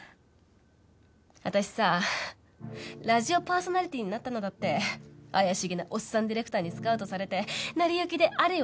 私さラジオパーソナリティーになったのだって怪しげなオッサンディレクターにスカウトされて成り行きであれよ